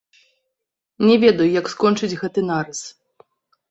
Не ведаю, як скончыць гэты нарыс.